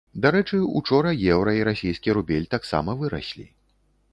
Дарэчы, учора еўра і расійскі рубель таксама выраслі.